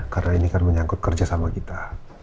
karena ini kan menyangkut kerja sama kita